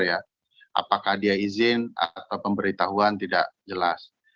apakah dia izin atau pemberitahuan tidak jelas